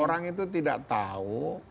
orang itu tidak tahu